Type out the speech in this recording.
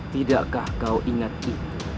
tidakkah kau ingatku